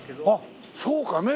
あっそうか！